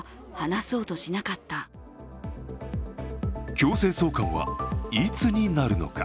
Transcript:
強制送還はいつになるのか。